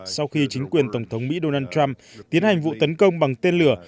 sau khi chính quyền tổng thống mỹ donald trump tiến hành vụ tấn công bằng tên lửa